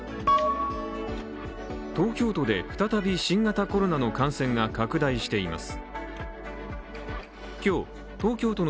東京都で再び、新型コロナの感染が拡大しています。